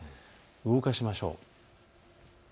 動かしましょう。